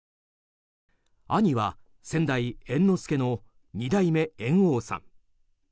兄は先代猿之助の二代目猿翁さん。